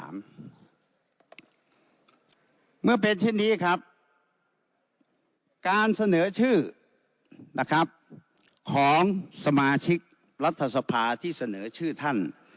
เมื่อเป็นเช่นนี้ครับการเสนอชื่อนะครับของสมาชิกรัฐสภาที่เสนอชื่อท่าน